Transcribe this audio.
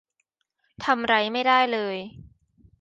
ทำไรไม่ได้เลย